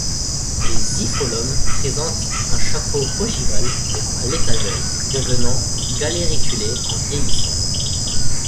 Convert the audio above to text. Les hypholomes présentent un chapeau ogival à l'état jeune, devenant galériculé en vieillissant.